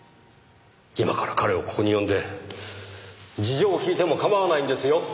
今から彼をここに呼んで事情を聴いても構わないんですよ？